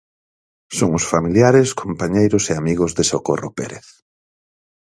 Son os familiares, compañeiros e amigos de Socorro Pérez.